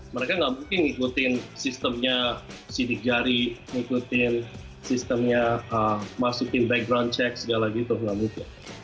mereka nggak mungkin ngikutin sistemnya sidik jari ngikutin sistemnya masukin background check segala gitu nggak mungkin